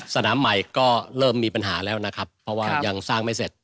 สนามใหม่ก็เริ่มมีปัญหาแล้วนะครับเพราะว่ายังสร้างไม่เสร็จ